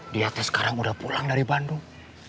dia teh sekarang udah pulang dari bandung